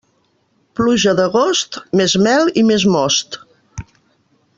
Pluja d'agost, més mel i més most.